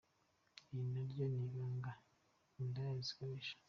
Iri naryo ni ibanga indaya zikoresha.